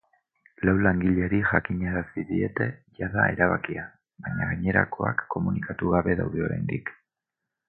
Lau langileri jakinarazi diete jada erabakia, baina gainerakoak komunikatu gabe daude oraindik.